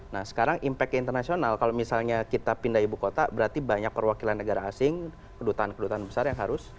nah sekarang impact ke internasional kalau misalnya kita pindah ibu kota berarti banyak perwakilan negara asing kedutaan kedutaan besar yang harus